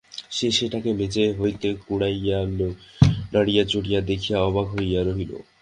সে সেটাকে মেজে হইতে কুড়াইয়া নাড়িয়া চড়িয়া দেখিয়া দেখিয়া অবাক হইয়া রহিল।